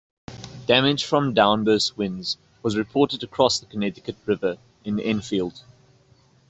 Damage from downburst winds was reported across the Connecticut River in Enfield.